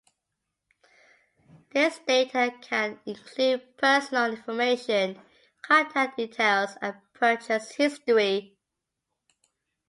This data can include personal information, contact details, and purchase history.